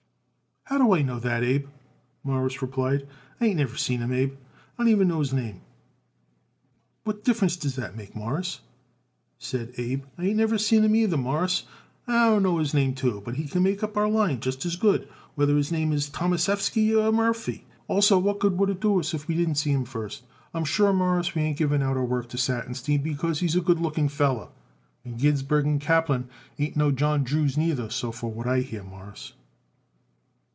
"How do I know that, Abe?" Morris replied. "I ain't never seen him, Abe; I don't even know his name." "What difference does that make it, Mawruss?" said Abe. "I ain't never seen him neither, Mawruss, and I don't know his name, too; but he could make up our line just as good, whether his name was Thomassheffsky or Murphy. Also, what good would it do us if we did see him first? I'm sure, Mawruss, we ain't giving out our work to Satinstein because he's a good looking feller, and Ginsburg & Kaplan ain't no John Drews neither, so far what I hear it, Mawruss."